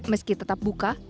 meski tetap buka